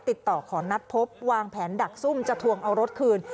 ติดต่อขอนัดพบวางแผนดักซุ่มจะทวงเอารถคืน